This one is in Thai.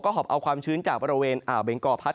หอบเอาความชื้นจากบริเวณอ่าวเบงกอพัด